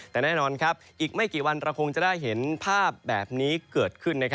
แต่แน่นอนครับอีกไม่กี่วันเราคงจะได้เห็นภาพแบบนี้เกิดขึ้น